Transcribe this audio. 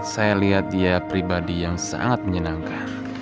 saya lihat dia pribadi yang sangat menyenangkan